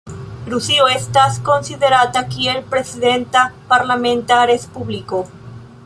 Rusio estas konsiderata kiel prezidenta-parlamenta respubliko.